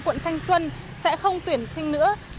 quận thanh xuân sẽ không tuyển sinh nữa